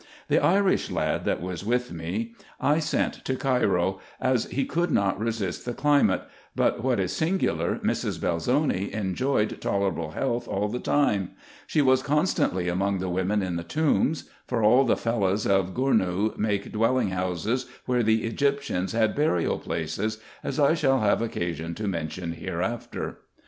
The Irish lad that was with me I sent to 46 RESEARCHES AND OPERATIONS Cairo, as he could not resist the climate; but what is singular, Mrs. Belzoni enjoyed tolerable health all the time. She was con stantly among the women in the tombs ; for all the Fellahs of Gournou make dwelling houses where the Egyptians had burial places, as I shall have occasion to mention hereafter.